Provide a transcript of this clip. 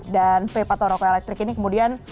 dan vape atau rokok elektrik ini kemudian